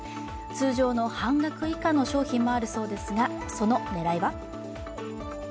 通常の半額以下の商品もあるそうですが、その狙いは？